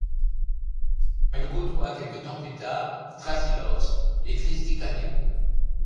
Elle côtoie quelque temps plus tard Traci Lords et Christy Canyon.